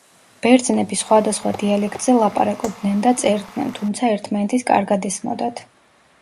ბერძნები სხვადასხვა დიალექტზე ლაპარაკობდნენ და წერდნენ, თუმცა ერთმანეთის კარგად ესმოდათ.